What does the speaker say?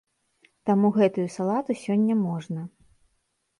Таму гэтую салату сёння можна.